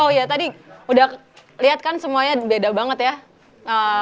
oh ya tadi udah lihat kan semuanya beda banget ya